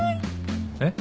えっ？